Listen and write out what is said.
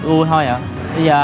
ui thôi vậy à